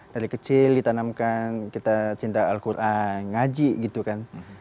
dari kecil ditanamkan kita cinta al quran ngaji gitu kan